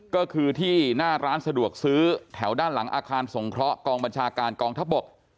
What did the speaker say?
ก็คือที่หน้าร้านสะดวกซื้อแถวด้านหลังอาคารสงเคราะห์กองบัญชาการกองทัพบก